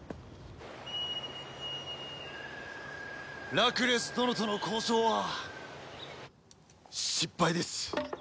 ラクレス殿との交渉は失敗です。